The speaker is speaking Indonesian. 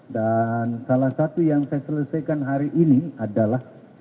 dan salah satu yang saya selesaikan hari ini adalah